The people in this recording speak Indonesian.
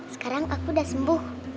sekarang aku udah sembuh